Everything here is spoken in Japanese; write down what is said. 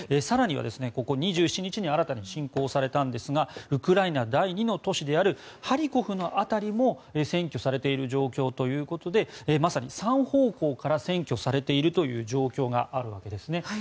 更には２７日に新たに侵攻されたんですがウクライナ第２の都市であるハリコフの辺りも占拠されている状況ということでまさに３方向から占拠されているという状況があるわけですね。